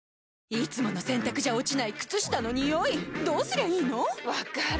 いつもの洗たくじゃ落ちない靴下のニオイどうすりゃいいの⁉分かる。